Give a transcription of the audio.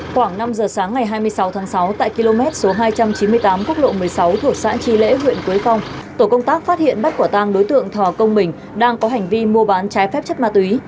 khoảng năm giờ sáng ngày hai mươi sáu tháng sáu tại km số hai trăm chín mươi tám quốc lộ một mươi sáu thuộc xã tri lễ huyện quế phong tổ công tác phát hiện bắt quả tang đối tượng thò công mình đang có hành vi mua bán trái phép chất ma túy